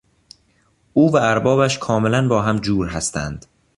او و اربابش کاملا با هم جور هستند.